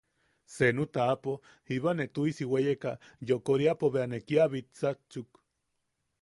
Senu taʼapo jiba ne tuʼisi weyeka yokoriapo bea ne kia bitsakchuk.